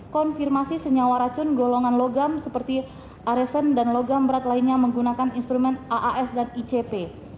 konfirmasi senyawa racun golongan logam seperti aresm dan logam berat lainnya menggunakan instrumen aas dan icp